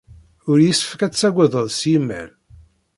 Ur yessefk ad tagaded seg yimal.